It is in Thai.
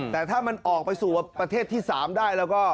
แต่ถ้ามันออกไปสู่ประเทศที่๓ได้แล้วก็